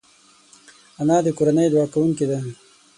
انا د کورنۍ دعا کوونکې ده